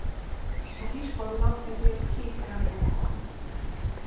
A kis falunak ezért két temploma van.